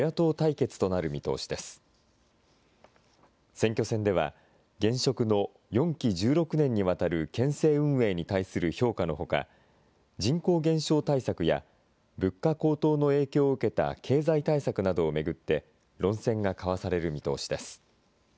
選挙戦では、現職の４期１６年にわたる県政運営に対する評価のほか、人口減少対策や、物価高騰の影響を受けた経済対策などを巡って、論戦が交わされる見通しです。